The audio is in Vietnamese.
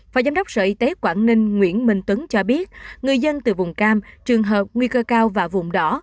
phó giám đốc sở y tế quảng ninh nguyễn minh tuấn cho biết người dân từ vùng cam trường hợp nguy cơ cao và vùng đỏ